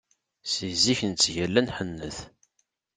Si zik nettgalla nḥennet.